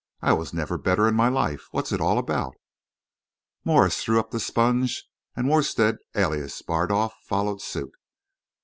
"I was never better in my life. What's it all about?" Morse threw up the sponge, and Worstead, alias Bardolf, followed suit.